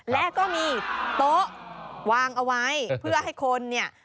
และก็มีโต๊ะวางเอาไว้เพื่อให้คนเนี่ย